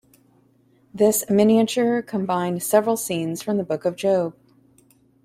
This miniature combine several scenes from the Book of Job.